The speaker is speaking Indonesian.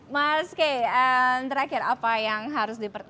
mas kay terakhir apa yang harus dipercaya